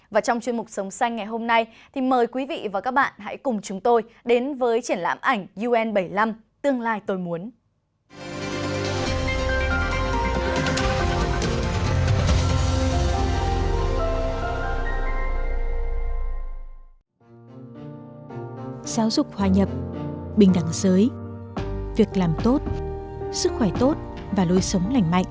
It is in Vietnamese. và trong chuyên mục sống xanh ngày hôm nay thì mời quý vị và các bạn hãy cùng chúng tôi đến với triển lãm ảnh un bảy mươi năm tương lai tôi muốn